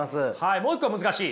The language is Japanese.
もう一個は難しい。